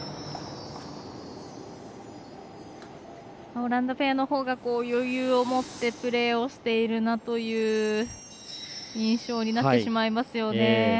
オランダペアのほうが余裕を持ってプレーをしているなという印象になってしまいますよね。